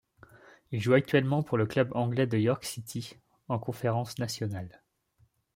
Il joue actuellement pour le club anglais de York City, en Conference National.